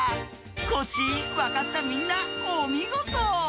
コッシーわかったみんなおみごと。